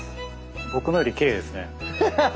僕のよりキレイですね。